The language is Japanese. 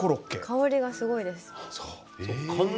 香りがすごいです。